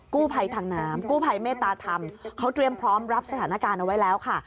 กู้ภัยทางน้ำกู้ภัยเมตตาธรรมเขาเตรียมพร้อมรับสถานการณ์เอาไว้แล้วค่ะ